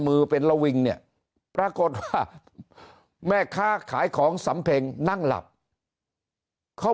มือเป็นระวิงเนี่ยปรากฏว่าแม่ค้าขายของสำเพ็งนั่งหลับเขา